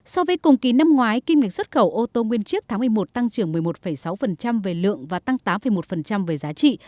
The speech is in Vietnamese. so với cùng kỳ năm ngoái kim ngạch xuất khẩu ô tô nguyên chiếc tháng một mươi một tăng trưởng một mươi một sáu về lượng và tăng tám một về giá trị